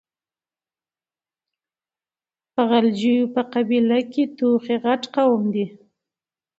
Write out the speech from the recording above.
د غلجيو په قبيله کې توخي غټ قوم ده.